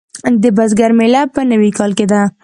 د بزګر میله په نوي کال کې ده.